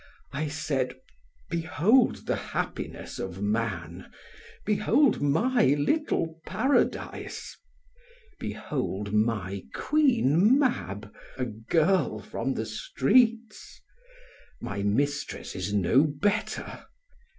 I said: "Behold the happiness of man; behold my little Paradise; behold my queen Mab, a girl from the streets. My mistress is no better.